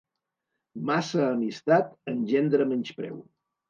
Massa amistat engendra menyspreu.